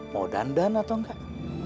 mau dandan atau enggak